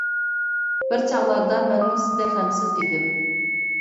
بىر چاغلاردا مەنمۇ سىزدەك غەمسىز ئىدىم.